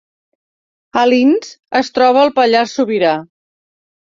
Alins es troba al Pallars Sobirà